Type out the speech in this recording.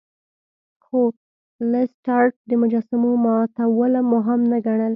خو لیسټرډ د مجسمو ماتول مهم نه ګڼل.